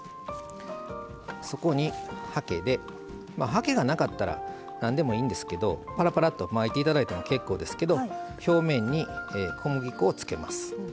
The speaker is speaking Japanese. はけがなかったら何でもいいんですけどぱらぱらっとまいて頂いても結構ですけど表面に小麦粉をつけます。